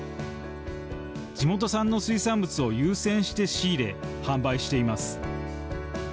地元産の水産物を優先して仕入れ販売しています